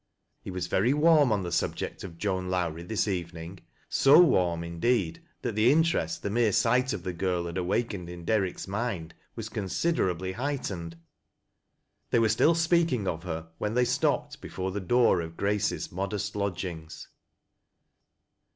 He was very warm on the subject of Joan Lowrie this evening — so warm, indeed, that the in terest the mere sight of the girl had awakened in Der rick's mind was considerably heightened. They were still speaking of her when they stopped before the door of Grace's modest lodgings.